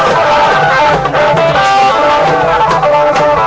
เพื่อรับความรับทราบของคุณ